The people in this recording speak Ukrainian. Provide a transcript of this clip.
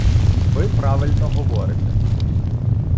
Ви правильно говорите.